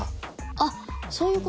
あっそういう事か。